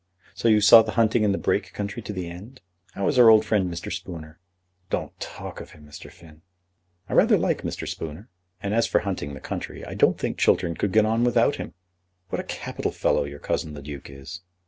So you saw the hunting in the Brake country to the end? How is our old friend, Mr. Spooner?" "Don't talk of him, Mr. Finn." "I rather like Mr. Spooner; and as for hunting the country, I don't think Chiltern could get on without him. What a capital fellow your cousin the Duke is."